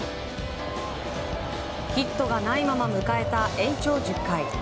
ヒットがないまま迎えた延長１０回。